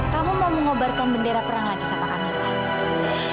kamu mau mengobarkan bendera perang lagi sama kamar itu